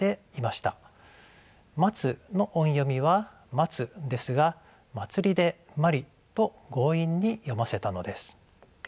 「茉」の音読みは「マツ」ですが「茉莉」で「マリ」と強引に読ませたのです。